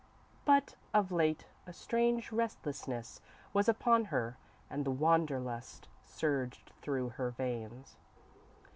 _ _But, of late, a strange restlessness was upon her, and the wander lust surged through her veins.